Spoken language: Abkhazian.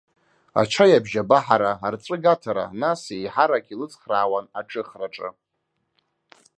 Ачаи абжьабаҳара, арҵәыга аҭара, нас, еиҳарак илыцхраауан аҿыхраҿы.